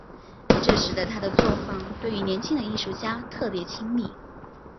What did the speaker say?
这使得他的作坊对于年轻的艺术家特别亲密。